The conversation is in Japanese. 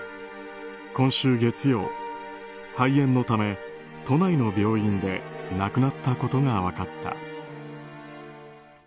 今週月曜、肺炎のため都内の病院で亡くなったことが分かった。